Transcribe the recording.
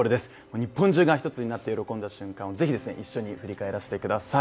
日本中が一つになって喜んだ瞬間をぜひ一緒に振り返らせてください。